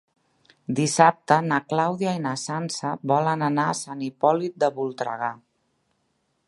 Dissabte na Clàudia i na Sança volen anar a Sant Hipòlit de Voltregà.